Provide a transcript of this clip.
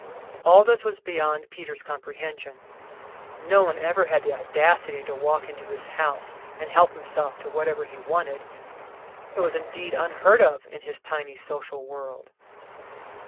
All this was beyond Peter's comprehension. No one ever had the audacity to walk into his house and help himself to whatever he wanted he was indeed unheard of in his tiny social world.